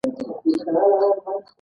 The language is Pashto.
د خوست په ګربز کې د سمنټو مواد شته.